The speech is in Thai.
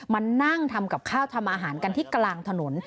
มานั่งทำกับข้าวทำอาหารกันที่กลางถนน